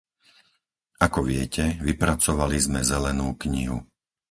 Ako viete, vypracovali sme zelenú knihu.